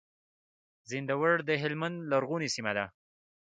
زينداور د هلمند لرغونې سيمه ده.